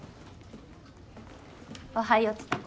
おはよう蔦子。